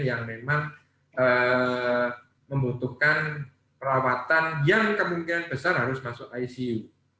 yang memang membutuhkan perawatan yang kemungkinan besar harus masuk icu